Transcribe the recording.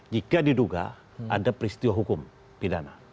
jika diduga ada peristiwa hukum pidana